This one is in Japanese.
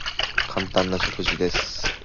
簡単な食事です。